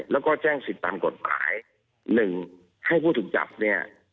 แล้วก็แจ้งสิทธิ์ตามกฎหมายหนึ่งให้ผู้ถูกจับเนี่ย